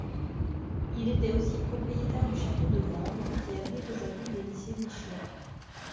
Il était aussi propriétaire du château de Vanves, qui abrite aujourd'hui le lycée Michelet.